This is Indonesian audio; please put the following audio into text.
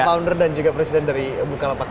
founder dan juga presiden dari bukalapak